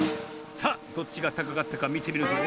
さあどっちがたかかったかみてみるぞ。